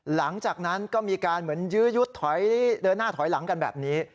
หลังจากนั้นก็มีการเหมือนยื้อยุดถอยเดินหน้าถอยหลังกันแบบนี้